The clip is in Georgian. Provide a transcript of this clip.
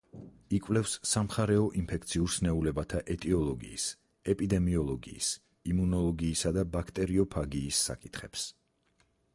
იკვლევს სამხარეო ინფექციურ სნეულებათა ეტიოლოგიის, ეპიდემიოლოგიის, იმუნოლოგიისა და ბაქტერიოფაგიის საკითხებს.